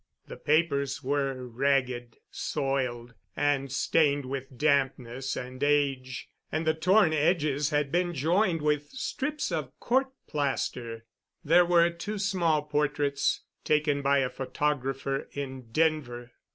The papers were ragged, soiled, and stained with dampness and age, and the torn edges had been joined with strips of court plaster. There were two small portraits taken by a photographer in Denver.